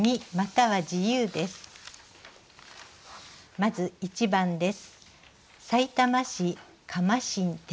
まず１番です。